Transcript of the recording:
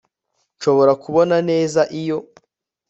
Nshobora kubona neza iyo